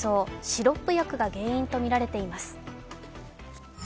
シロップ薬が原因とみられています。